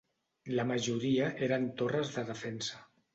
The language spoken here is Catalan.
La majoria eren torres de defensa.